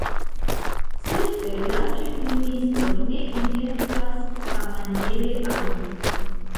Certe la ĉefministro ne intencas sammaniere agi.